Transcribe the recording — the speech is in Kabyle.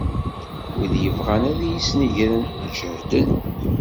Wid yebɣan ad iyi-snegren, ǧehden.